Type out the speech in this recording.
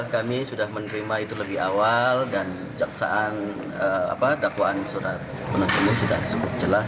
kami sudah menerima itu lebih awal dan dakwaan surat penuntut umum sudah cukup jelas